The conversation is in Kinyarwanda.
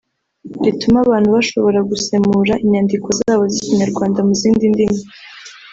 ritume abantu bashobora gusemura inyandiko zabo z’ikinyarwanda mu zindi ndimi